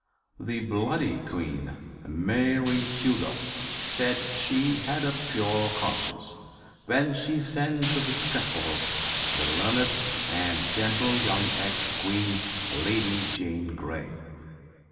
The Bloody Queen, Mary Tudor, said she had a pure conscience when she sent to the scaffold the learned and gentle young Ex Queen Lady Jane Grey.